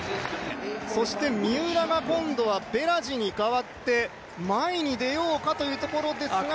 三浦が今度はベラジに代わって前に出ようかというところですが。